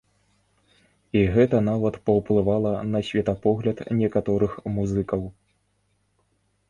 І гэта нават паўплывала на светапогляд некаторых музыкаў.